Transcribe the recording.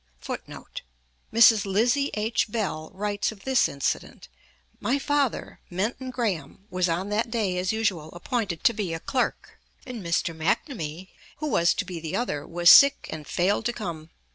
[Footnote: Mrs. Lizzie H. Bell writes of this incident: "My father, Menton Graham, was on that day, as usual, appointed to be a clerk, and Mr. McNamee, who was to be the other, was sick and failed to come.